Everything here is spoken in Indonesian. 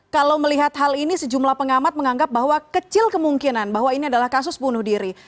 kalau melihat hal ini sejumlah pengamat menganggap bahwa kecil kemungkinan bahwa ini adalah kasus bunuh diri